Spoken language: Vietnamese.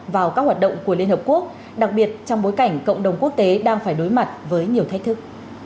vào các hoạt động của liên hợp quốc đặc biệt trong bối cảnh cộng đồng quốc tế đang phải đối mặt với nhiều thách thức